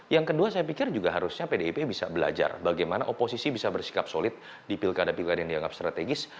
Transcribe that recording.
yang kedua saya pikir juga harusnya pdip bisa belajar bagaimana oposisi bisa bersikap solid di pilkada pilkada yang dianggap strategis